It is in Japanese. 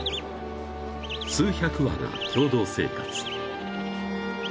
［数百羽が共同生活］